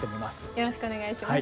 よろしくお願いします。